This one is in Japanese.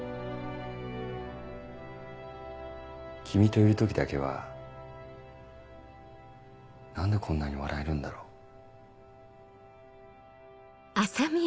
君といる時だけは何でこんなに笑えるんだろう。